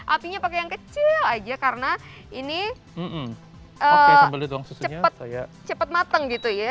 apinya pakai yang kecil aja karena ini cepat mateng gitu ya